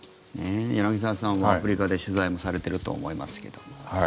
柳澤さん、アフリカで取材もされていると思いますが。